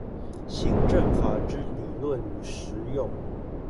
行政法之理論與實用